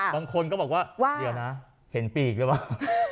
บางคนก็บอกว่าเดี๋ยวนะเห็นปีกหรือเปล่า